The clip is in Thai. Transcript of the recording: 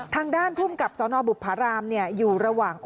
ทางด้านภูมิกับสนบุภารามอยู่ระหว่าง